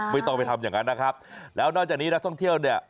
ไม่ต้องไปทำอย่างนั้นนะครับแล้วนอกจากนี้นักท่องเที่ยวเนี่ย